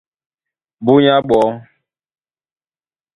Búnyá ɓɔɔ́,